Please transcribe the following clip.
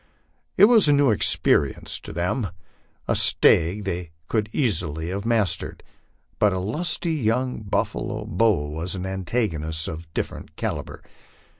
It was a new experience to them ; a stag they could easily have mastered, but a lusty young buffalo bull was an antagonist of different calibre.